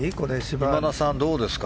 今田さん、どうですか？